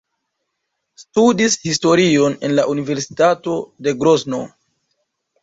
Studis historion en la Universitato de Grozno.